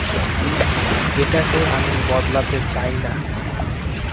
এটাকে আমি বদলাতে চাই না।